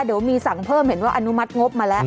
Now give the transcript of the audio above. เดี๋ยวมีสั่งเพิ่มเห็นว่าอนุมัติงบมาแล้ว